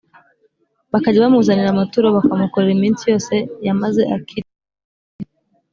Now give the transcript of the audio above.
bakajya bamuzanira amaturo, bakamukorera iminsi yose yamaze akiriho